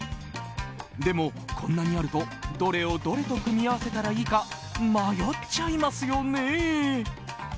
でも、こんなにあると、どれをどれと組み合わせたらいいか迷っちゃいますよね。